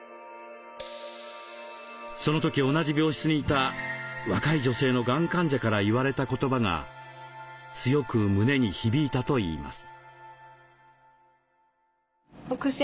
その時同じ病室にいた若い女性のがん患者から言われた言葉が強く胸に響いたといいます。